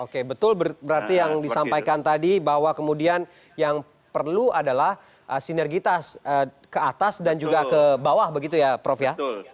oke betul berarti yang disampaikan tadi bahwa kemudian yang perlu adalah sinergitas ke atas dan juga ke bawah begitu ya prof ya